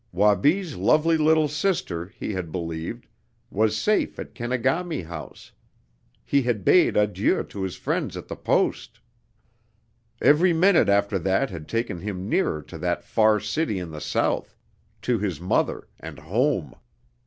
Wabi's lovely little sister, he had believed, was safe at Kenegami House; he had bade adieu to his friends at the Post; every minute after that had taken him nearer to that far city in the South, to his mother, and home.